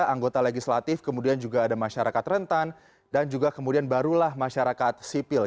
anggota legislatif kemudian juga ada masyarakat rentan dan juga kemudian barulah masyarakat sipil